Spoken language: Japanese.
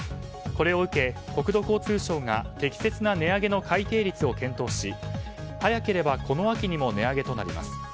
これを受け国土交通省が適切な値上げの改定率を検討し早ければ、この秋にも値上げとなります。